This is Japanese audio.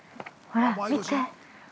◆ほら見て。